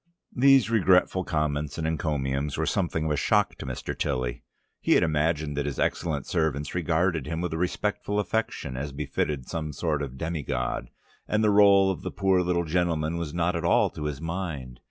These regretful comments and encomiums were something of a shock to Mr. Tilly. He had imagined that his excellent servants regarded him with a respectful affection, as befitted some sort of demigod, and the role of the poor little gentleman was not at all to his mind.